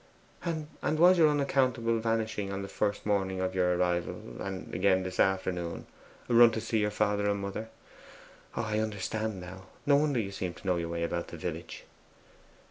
'And was your unaccountable vanishing on the first morning of your arrival, and again this afternoon, a run to see your father and mother?...I understand now; no wonder you seemed to know your way about the village!